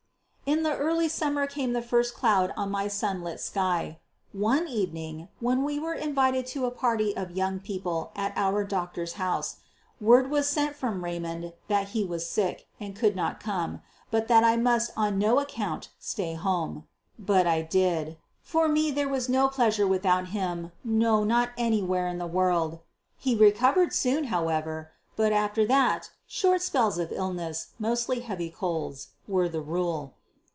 In the early summer came the first cloud on my sunlit sky. One evening, when we were invited to a party of young people at our doctor's house, word was sent from Raymond that he was sick and could not come, but that I must on no account stay home. But I did. For me there was no pleasure without him, no, not anywhere in the world. He recovered soon, however; but after that, short spells of illness, mostly heavy colds, were the rule.